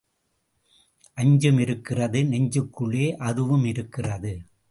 அஞ்சும் இருக்கிறது நெஞ்சுக்குள்ளே அதுவும் இருக்கிறது.